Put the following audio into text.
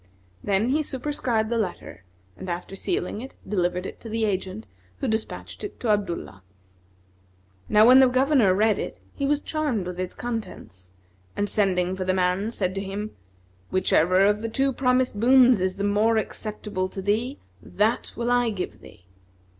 Then he superscribed the letter and after sealing it, delivered it to the agent, who despatched it to Abdullah. Now when the Governor read it, he was charmed with its contents, and sending for the man, said to him, "Whichever of the two promised boons is the more acceptable to thee that will I give thee."